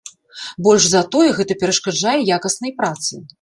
Больш за тое, гэта перашкаджае якаснай працы.